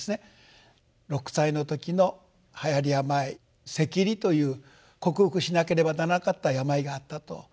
６歳の時のはやり病赤痢という克服しなければならなかった病があったと。